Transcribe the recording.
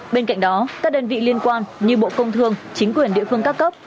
bên cạnh đó các đơn vị liên quan như bộ công thương chính quyền địa phương các cấp